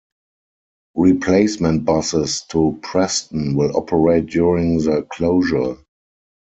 Replacement buses to Preston will operate during the closure.